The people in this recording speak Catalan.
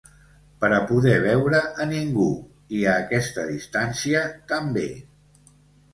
Per a poder veure a Ningú! I a aquesta distància, també!